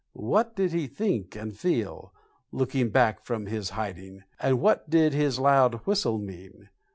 What did he think and feel, looking back from his hiding, and what did his loud whistle mean?